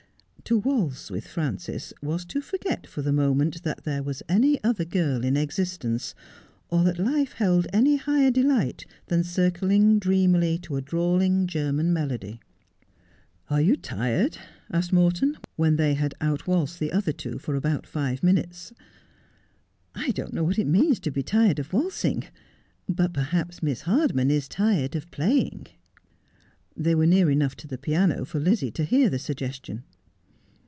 To waltz with Frances was to forget for the moment that there was any other girl in existence, or that life held any higher delight than circling dreamily to a drawling German melody. ' Are you tired ?' asked Morton, when they had out waltzed the other two for about five minutes. ' I don't know what it means to be th ed of waltzing : but perhaps Miss Hardman is tired of playing.' Christmas at Tanrjlcy Ilanor. 139 They were near enough to the piano for Lizzie to hear the suggestion.